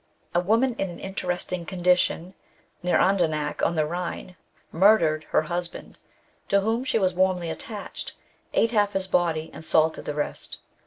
A woman in an interesting condition, near Andernach on the Khine, murdered her husband, to whom she was warmly attached, ate half his body, and salted the rest.